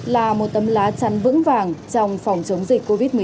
là một tấm lá chắn vững vàng trong phòng chống dịch covid một mươi chín